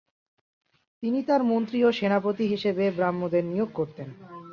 তিনি তাঁর মন্ত্রী ও সেনাপতি হিসেবে ব্রাহ্মণদের নিয়োগ করতেন।